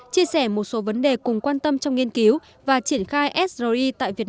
chia sẻ một số vấn đề cùng quan tâm trong nghiên cứu và triển khai sri